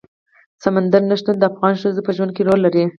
سمندر نه شتون د افغان ښځو په ژوند کې رول لري.